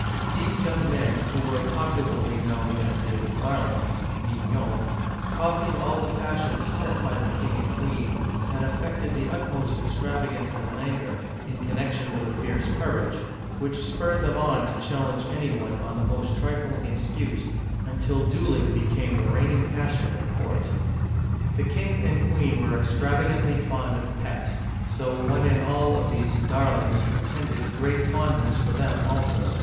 These uigiTizea Dy vjiOOQlC HENRY III. (1574 1589) 269 young men, who were popularly known as his "darlings" {mignons\ copied all the fashions set by the king and queen, and affected the utmost extravagance and languor, in connection with a fierce courage, which spurred them on to challenge any one on the most trifling excuse, until dueling became the reigning passion at court. The king and queen were extrava gantly fond of pets ; so one and all of these " darlings " pretended great fondness for them also.